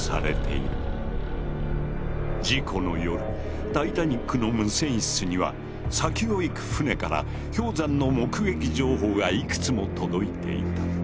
事故の夜タイタニックの無線室には先を行く船から氷山の目撃情報がいくつも届いていた。